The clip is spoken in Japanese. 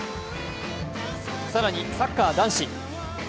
更に、サッカー男子。